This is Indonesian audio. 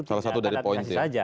salah satu dari poinnya